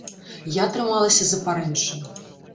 Я трымалася за парэнчы.